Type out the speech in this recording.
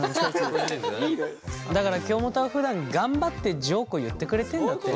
だから京本はふだん頑張ってジョークを言ってくれてんだって。